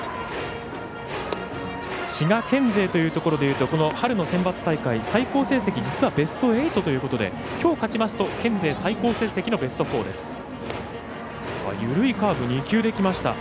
滋賀県勢というところでいうと春のセンバツ大会最高成績実はベスト８ということできょう、勝ちますと県勢最高成績のベスト４です。